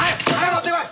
持ってこい！